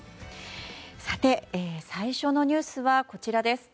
さて、最初のニュースはこちらです。